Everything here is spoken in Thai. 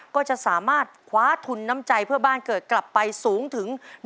ก็จะสามารถคว้าทุนน้ำใจเพื่อบ้านเกิดกลับไปสูงถึง